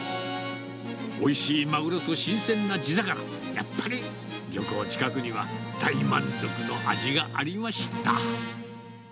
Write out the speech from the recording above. おいしいマグロと新鮮な地魚、やっぱり漁港近くには、大満足の味がありました。